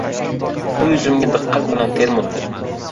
U yuzimga diqqat bilan termuldi.